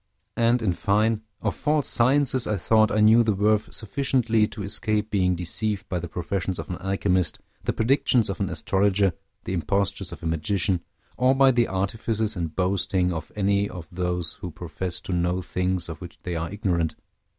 And, in fine, of false sciences I thought I knew the worth sufficiently to escape being deceived by the professions of an alchemist, the predictions of an astrologer, the impostures of a magician, or by the artifices and boasting of any of those who profess to know things of which they are ignorant.